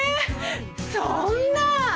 そんなぁ！